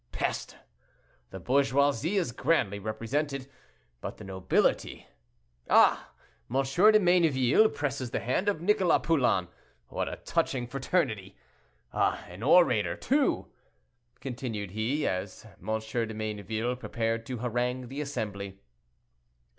Peste! the bourgeoisie is grandly represented; but the nobility—ah! M. de Mayneville presses the hand of Nicholas Poulain; what a touching fraternity! An orator, too!" continued he, as M. de Mayneville prepared to harangue the assembly.